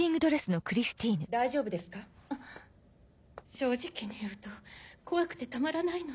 正直に言うと怖くてたまらないの。